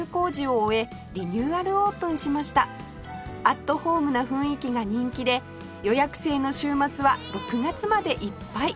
アットホームな雰囲気が人気で予約制の週末は６月までいっぱい